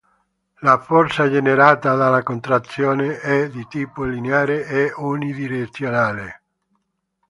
La forza generata dalla contrazione è di tipo lineare e unidirezionale.